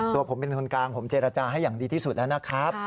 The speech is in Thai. ตัวผมเป็นคนกลางผมเจรจาให้อย่างดีที่สุดแล้วนะครับ